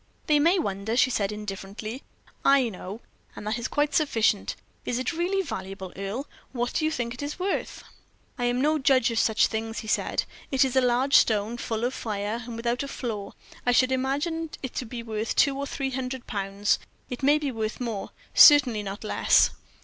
"They may wonder," she said indifferently. "I know, and that is quite sufficient. Is it really valuable, Earle? What do you think it is worth?" "I am no judge of such things," he said. "It is a large stone, full of fire, and without a flaw. I should imagine it to be worth two or three hundred pounds; it may be worth more, certainly not less."